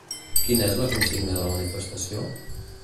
Quina és la consigna de la manifestació?